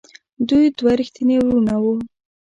دوی دوه ریښتیني وروڼه وو.